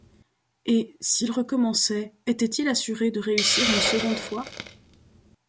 Et, s’il recommençait, était-il assuré de réussir une seconde fois?